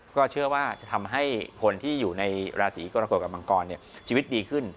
ก็เชื่อว่าจะทำให้คนที่อยู่ในราศีกรกฎกับมังกรชีวิตดีขึ้น